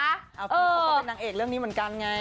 เอาเลยเผานางเอกเรื่องนี้เหมือนกันไง